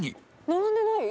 並んでない？